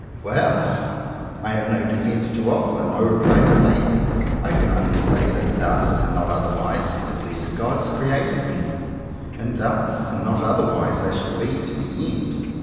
Well! I have no defence to offer — no reply to make. I can only say that thus, and not otherwise, have the blessed Gods created me; and thus, and not otherwise, I shall be to the end.